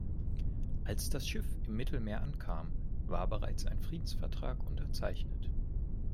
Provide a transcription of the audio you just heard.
Als das Schiff im Mittelmeer ankam, war bereits ein Friedensvertrag unterzeichnet.